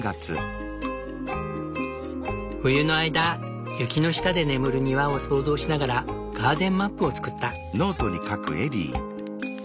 冬の間雪の下で眠る庭を想像しながら「ガーデンマップ」を作った。